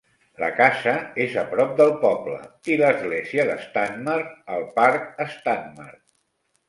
La casa és prop del poble i l'església de Stanmer, al parc Stanmer.